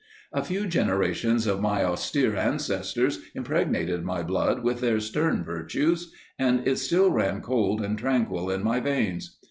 A few generations of my austere ancestors impregnated my blood with their stern virtues, and it still ran cold and tranquil in my veins.